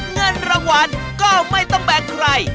เงินรางวัลก็ไม่ต้องแบกใคร